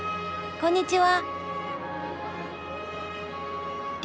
こんにちは。